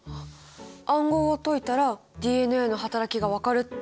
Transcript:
暗号を解いたらＤＮＡの働きが分かるってことですか？